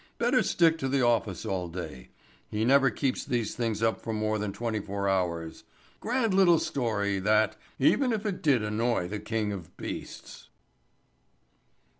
Better stick to the office all day. He never keeps these things up for more than twenty four hours. Grand little story, that, even if it did annoy the King of Beasts."